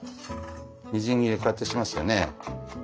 みじん切りこうやってしますよね。